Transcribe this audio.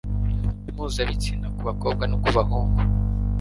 mpuzabitsina ku bakobwa no ku bahungu